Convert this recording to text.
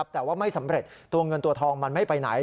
แต่ว่าไม่สำเร็จตัวเงินตัวทองมันไม่ไปไหน